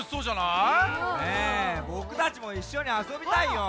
ねえぼくたちもいっしょにあそびたいよ。